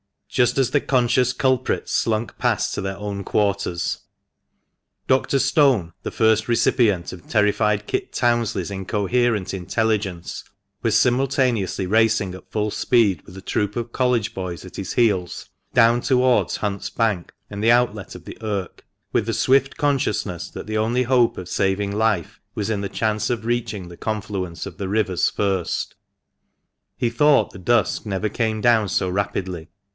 just as the conscious culprits slunk past to their own quarters. Doctor Stone, the first recipient of terrified Kit Townley's incoherent intelligence, was simultaneously racing at full speed, with a troop of College boys at his heels, down towards Hunt's Bank and the outlet of the Irk, with the swift consciousness that the only hope of saving life was in the chance of reaching the confluence of the rivers first. He thought the dusk never came down so rapidly.